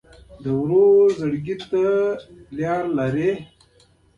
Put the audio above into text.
ورور ته د زړګي اړیکه لرې.